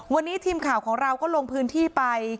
วันนี้ทีมข่าวของเราก็ลงพื้นที่ไป